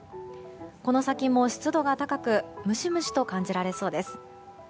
この先も湿度が高くムシムシと感じられそうです。